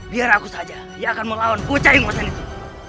baiklah kalau itu keinginanmu